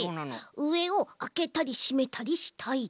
うえをあけたりしめたりしたいと。